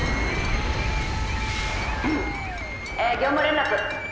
「ウンえ業務連絡。